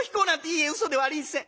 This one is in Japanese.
「いえうそではありんせん」。